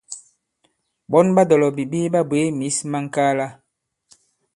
Ɓɔ̌n ɓa dɔ̀lɔ̀bìbi ɓa bwě mǐs ma ŋ̀kaala.